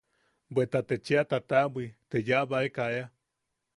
Bweta te cheʼa tataʼabwi te yaabaeka ea.